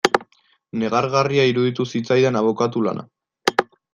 Negargarria iruditu zitzaidan abokatu lana.